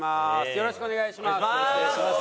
よろしくお願いします。